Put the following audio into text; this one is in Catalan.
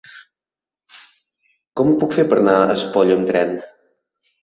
Com ho puc fer per anar a Espolla amb tren?